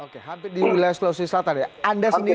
oke hampir di wilayah sulawesi selatan ya